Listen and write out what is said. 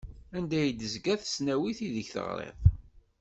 Anda i d-tezga tesnawit ideg teɣriḍ?